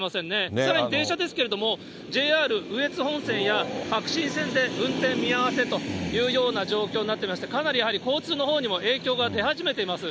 さらに電車ですけれども、ＪＲ羽越本線や白新線で運転見合わせというような状況になっていまして、かなりやはり交通のほうにも影響が出始めています。